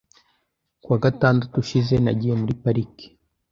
Ku wa gatandatu ushize, nagiye muri parike.